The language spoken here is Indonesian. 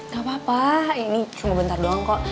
gak apa apa ini semua bentar doang kok